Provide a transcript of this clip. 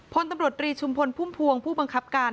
พลตำรวจรีชุมพลพุ่มพวงผู้บังคับการ